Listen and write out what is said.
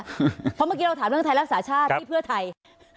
เพราะเมื่อกี้เราถามเรื่องไทยรักษาชาติที่เพื่อไทย